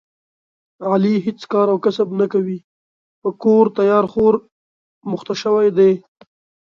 علي هېڅ کار او کسب نه کوي، په کور تیار خور مخته شوی دی.